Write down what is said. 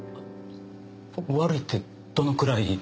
悪いってどのくらい？